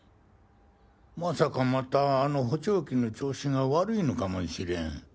まさかまたあの補聴器の調子が悪いのかもしれん。